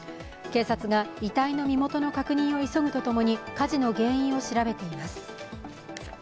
警察が遺体の身元の確認を急ぐとともに火事の原因を調べています。